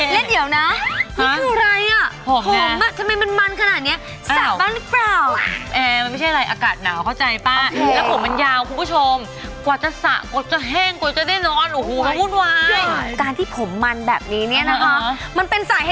แล้วเดี๋ยวนะนี่คืออะไรอ่ะผมทำไมมันขนาดนี้สระบ้างหรือเปล่า